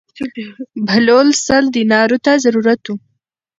بهلول سل دینارو ته ضرورت و.